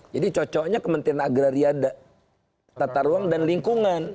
jadi cocoknya kementerian agraria tata ruang dan lingkungan